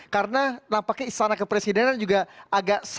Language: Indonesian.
karena nampaknya istana kepresidenan juga agak sama